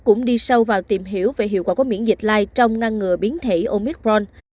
cũng đi sâu vào tìm hiểu về hiệu quả của miễn dịch lai trong ngăn ngừa biến thể omicron